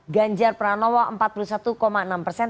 ganjar pranowo empat puluh satu enam persen